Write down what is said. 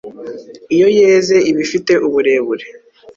iyo yeze iba ifite uburebure